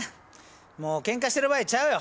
もうけんかしてる場合ちゃうよ。